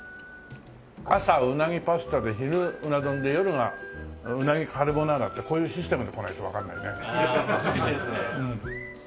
朝鰻パスタで昼うな丼で夜が鰻カルボナーラってこういうシステムでこないとわからないね。